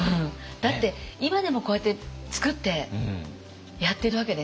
だって今でもこうやって作ってやってるわけですから。